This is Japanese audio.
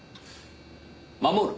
守る？